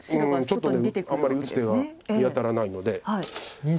ちょっとあんまり打つ手は見当たらないので。